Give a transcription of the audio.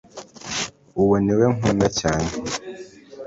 uwo niwe nkunda cyane